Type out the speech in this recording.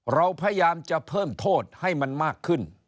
เราพยายามจะเพิ่มโทษให้มันมากขึ้น